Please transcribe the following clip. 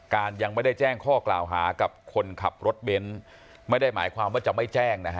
ยังไม่ได้แจ้งข้อกล่าวหากับคนขับรถเบนท์ไม่ได้หมายความว่าจะไม่แจ้งนะฮะ